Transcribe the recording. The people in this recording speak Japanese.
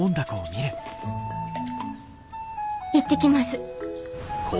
行ってきます。